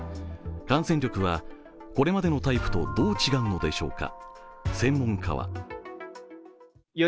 感染力はこれまでのタイプとどう違うのでしょうか。